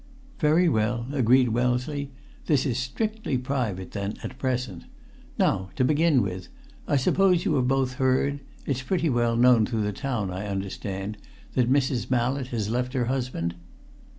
"Very well," agreed Wellesley. "This is strictly private, then, at present. Now, to begin with, I suppose you have both heard it's pretty well known through the town, I understand that Mrs. Mallett has left her husband?"